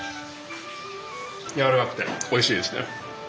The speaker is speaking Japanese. やわらかくておいしいですね。